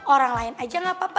orang lain aja gak apa apa